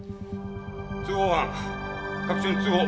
通報班各所に通報。